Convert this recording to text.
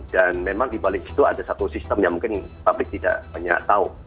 dan memang dibalik itu ada satu sistem yang mungkin publik tidak menyatau